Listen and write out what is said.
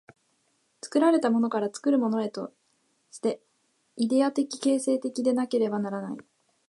作られたものから作るものへとして、イデヤ的形成的でなければならない。